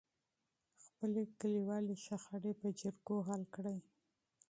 خپلې کليوالې شخړې په جرګو حل کړئ.